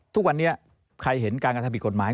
ทุกวันนี้ใครเห็นการกระทำผิดกฎหมาย